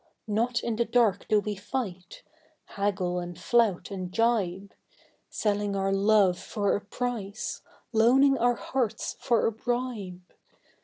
Not in the dark do we fight haggle and flout and gibe; Selling our love for a price, loaning our hearts for a bribe.